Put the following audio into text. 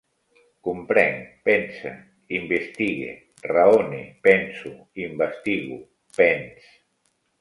Comprenc, pense, investigue, raone, penso, investigo, pens.